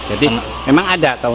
jadi memang ada